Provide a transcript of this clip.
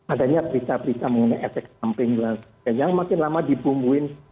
adanya berita berita mengenai efek samping yang makin lama dibumbuin